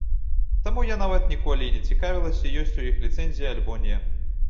Таму, я нават ніколі і не цікавілася ёсць у іх ліцэнзія альбо не.